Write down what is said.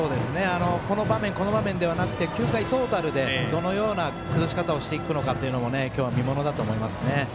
この場面この場面ではなく９回トータルでどういうふうな崩し方をしていくのかというのは今日は見ものだと思いますね。